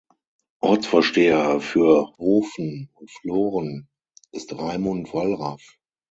Ortsvorsteher für Hoven und Floren ist Raimund Wallraff.